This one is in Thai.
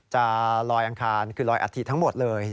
จะลอยอังคารคือลอยอัฐิทั้งหมดเลย